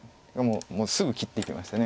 もうすぐ切っていきました。